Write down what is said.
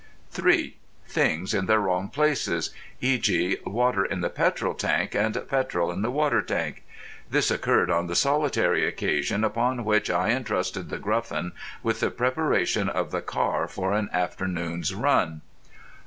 (3) Things in their wrong places. E.g., water in the petrol tank and petrol in the water tank. This occurred on the solitary occasion upon which I entrusted The Gruffin with the preparation of the car for an afternoon's run.